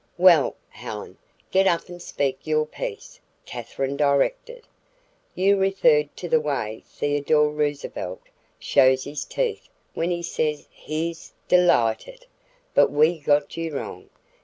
"Well, Helen, get up and speak your piece," Katherine directed. "You referred to the way Theodore Roosevelt shows his teeth when he says he's 'dee light ed'; but we got you wrong.